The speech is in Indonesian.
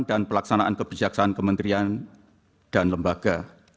dan pelaksanaan kebijaksanaan kementerian dan lembaga